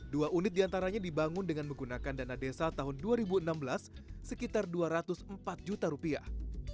dua unit diantaranya dibangun dengan menggunakan dana desa tahun dua ribu enam belas sekitar dua ratus empat juta rupiah